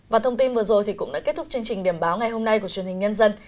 và thông tin vừa rồi cũng đã kết thúc chương trình điểm báo ngày hôm nay của truyền hình nhân dân